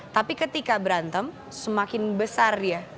tapi ketika berantem semakin besar dia